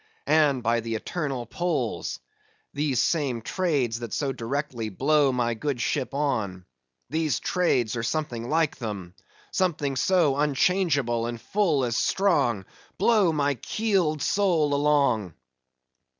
And by the eternal Poles! these same Trades that so directly blow my good ship on; these Trades, or something like them—something so unchangeable, and full as strong, blow my keeled soul along!